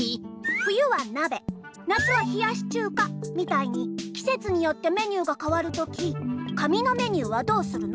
冬はなべ夏はひやしちゅうかみたいにきせつによってメニューがかわるとき紙のメニューはどうするの？